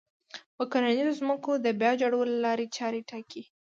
و کرنيزو ځمکو د بيا جوړولو لارې چارې ټاکي